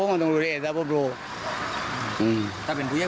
ไปนานแล้วไม่ถอยดิ